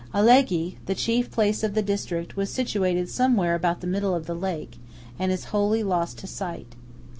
Alleghe, the chief place of the district, was situated somewhere about the middle of the lake, and is wholly lost to sight.